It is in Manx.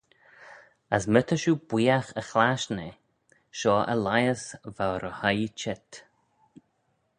As my ta shiu booiagh y chlashtyn eh, shoh Elias va ry hoi çheet.